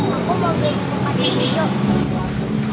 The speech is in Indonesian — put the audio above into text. aku mau beli kepadanya yuk